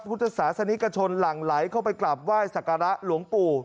พุทธศาสนิกชนหลั่งไหลเข้าไปกลับไหว้สักการะหลวงปู่